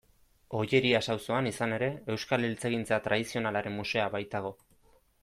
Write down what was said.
Ollerias auzoan, izan ere, Euskal Eltzegintza Tradizionalaren Museoa baitago.